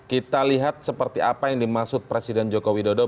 kita lihat seperti apa yang dimaksud presiden joko widodo